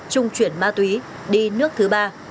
trung chuyển ma túy đi nước thứ ba